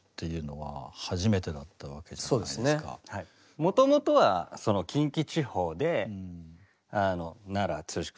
もともとはその近畿地方で奈良剛君